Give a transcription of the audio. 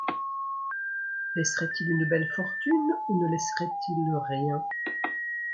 Laisserait-il une belle fortune ou ne laisserait-il rien ?